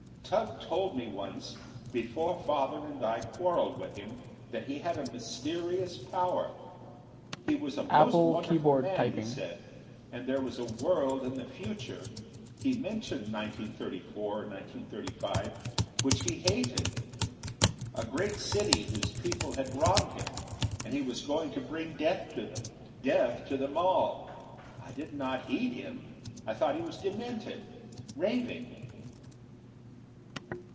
Tugh told me once, before Father and I quarreled with him, that he had a mysterious power. He was a most wonderful man, he said. And there was a world in the future he mentioned 1934 or 1935 which he hated. A great city whose people had wronged him; and he was going to bring death to them. Death to them all! I did not heed him. I thought he was demented, raving...."